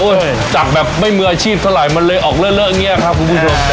จากแบบไม่มีอาชีพเท่าไหร่มันเลยออกเลอะอย่างนี้ครับคุณผู้ชม